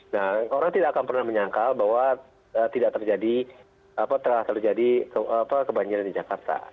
nah orang tidak akan pernah menyangkal bahwa tidak terjadi kebanjiran di jakarta